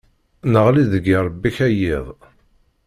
Neɣli deg yirrebi-k a yiḍ.